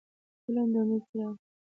فلم د امید څراغ دی